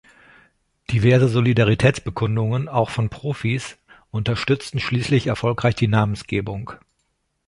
Diverse Solidaritätsbekundungen, auch von Profis, unterstützten schließlich erfolgreich die Namensgebung.